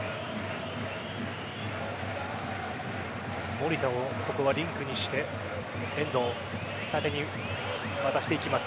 守田をリンクにして遠藤縦に渡していきます。